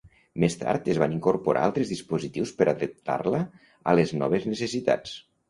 Més tard es van incorporar altres dispositius per adaptar-la a les noves necessitats.